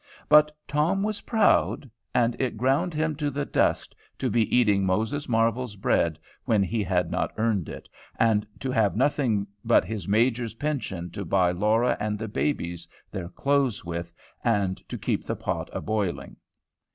But Tom was proud, and it ground him to the dust to be eating Moses Marvel's bread when he had not earned it, and to have nothing but his major's pension to buy Laura and the babies their clothes with, and to keep the pot a boiling.